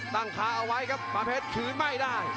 ตั้งคาเอาไว้ครับปาเพชรคืนไม่ได้